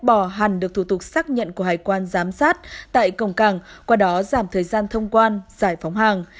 bỏ hẳn được thủ tục xác nhận của hải quan giám sát tại cổng cảng qua đó giảm thời gian thông quan giải phóng hàng